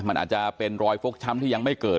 มันอาจจะเป็นรอยฟกช้ำที่ยังไม่เกิด